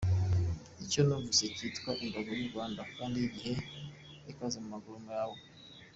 Icyo wumvise cyitwa imboro y’u Rwanda, kandi yihe ikaze mu maguru yawe!.